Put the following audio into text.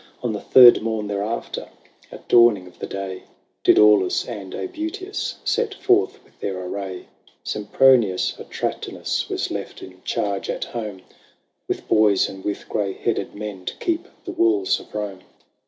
On the third morn thereafter, At dawning of the day, Did Aulus and ^butius Set forth with their array. Sempronius Atratinus Was left in charge at home With boys, and with grey headed men, To keep the walls of Rome.